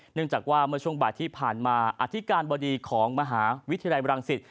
เนื่องจากว่าเมื่อช่วงบ่ายที่ผ่านมาอธิการบดีของมหาวิทยาลัยบรังสิต